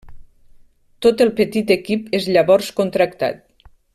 Tot el petit equip és llavors contractat.